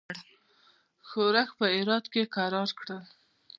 ښورښ په هرات کې کرار کړ.